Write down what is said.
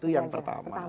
itu yang pertama